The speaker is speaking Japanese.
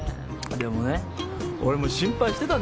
でもね俺も心配してたんですよ。